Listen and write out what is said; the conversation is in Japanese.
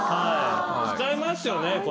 使いますよねこれ。